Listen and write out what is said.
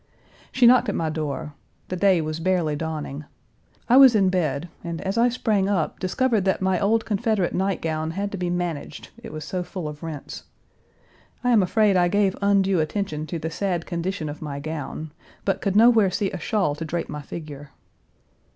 She knocked at my door. The day was barely dawning. I was in bed, and as I sprang up, discovered that my old Confederate night gown had to be managed, it was so full of rents. I am afraid I gave undue attention to the sad condition of my gown, but could nowhere see a shawl to drape my figure.